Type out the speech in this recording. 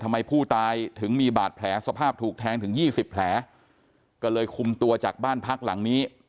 ทำไมผู้ตายถึงมีบาดแผลสภาพถูกแทงถึงยี่สิบแผลก็เลยคุมตัวจากบ้านพักหลังนี้